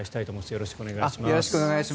よろしくお願いします。